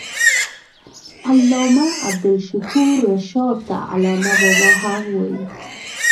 علامه عبدالشکور رشاد ته علامه بابا هم وايي.